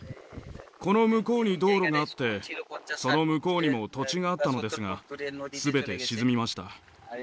この向こうに道路があってその向こうにも土地があったのですが全て沈みました。